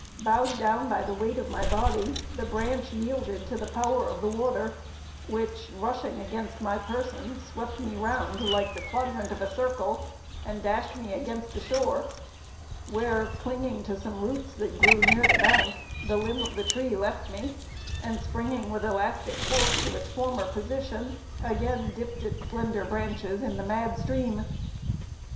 Bowed down by the weight of my body, the branch yielded to the power of the water, which rushing against my person, swept me round like the quadrant of a circle, and dashed me against the shore, where clinging to some roots that grew near the bank, the limb of the tree left me, and springing with elastic force to its former position, again dipped its slender branches in the mad stream.